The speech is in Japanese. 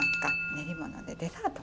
練り物でデザート。